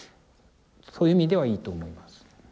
そういう意味ではいいと思います。